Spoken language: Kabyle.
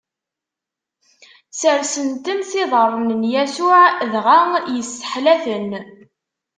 Sersen-ten s iḍarren n Yasuɛ, dɣa yesseḥla-ten.